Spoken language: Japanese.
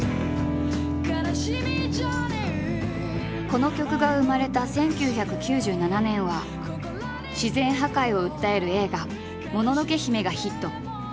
この曲が生まれた１９９７年は自然破壊を訴える映画「もののけ姫」がヒット。